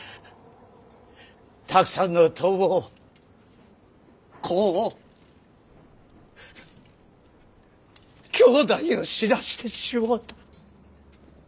たくさんの友を子をきょうだいを死なしてしもうた！